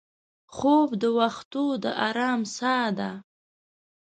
خوب د وختو د ارام سا ده